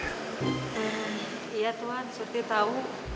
eh iya tuhan surty tau